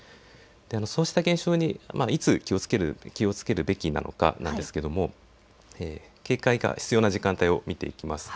そうした現象にいつ気をつけるべきなのかなんですが、警戒が必要な時間帯を見ていきます。